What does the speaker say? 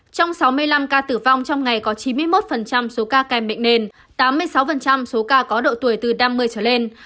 trong sáu mươi năm ca tử vong trong ngày có chín mươi một số ca kèm bệnh nền tám mươi sáu số ca có độ tuổi từ năm mươi trở lên